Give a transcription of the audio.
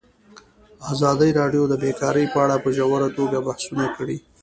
ازادي راډیو د بیکاري په اړه په ژوره توګه بحثونه کړي.